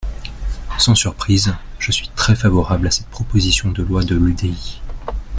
Sans surprise, je suis très favorable à cette proposition de loi de l’UDI.